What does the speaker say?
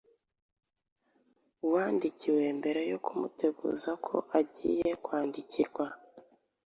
uwandikiwe, mbere yo kumuteguza ko agiye kwandikirwa